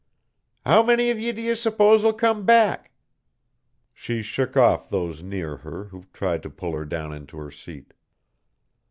How many of ye do you s'pose will come back?" She shook off those near her who tried to pull her down into her seat.